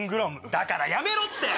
だからやめろって！